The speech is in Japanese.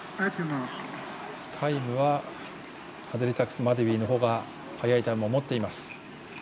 タイムはマデリタクスマデウィの方が速いタイムを持っています。